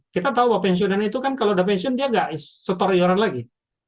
kita tahu bahwa pensiunan itu kan kalau sudah pensiun dia tidak setor ioran lagi